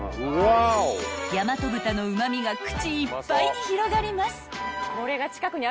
［やまと豚のうま味が口いっぱいに広がります］